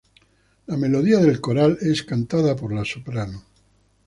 La melodía del coral es cantada por la soprano.